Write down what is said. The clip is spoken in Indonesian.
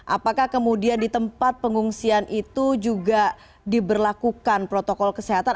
apakah kemudian di tempat pengungsian itu juga diberlakukan protokol kesehatan